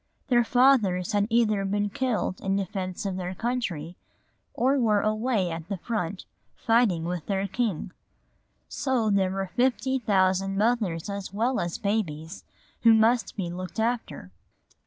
Their fathers had either been killed in defence of their country or were away at the front fighting with their king. So there were fifty thousand mothers as well as babies who must be looked after.